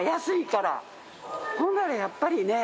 ほんならやっぱりね。